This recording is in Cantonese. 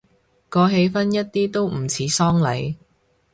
個氣氛一啲都唔似喪禮